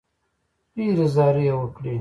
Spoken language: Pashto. ډېرې زارۍ یې وکړې.